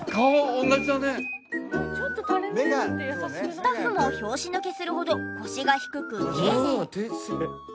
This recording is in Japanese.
スタッフも拍子抜けするほど腰が低く丁寧。